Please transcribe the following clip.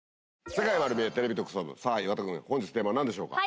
『世界まる見え！テレビ特捜部』さぁ岩田君本日テーマは何でしょうか？